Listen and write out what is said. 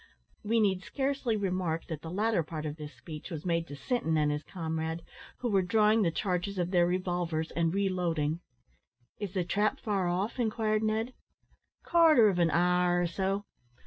We need scarcely remark, that the latter part of this speech was made to Sinton and his comrade, who were drawing the charges of their revolvers and reloading. "Is the trap far off?" inquired Ned. "Quarter of an hour, or so.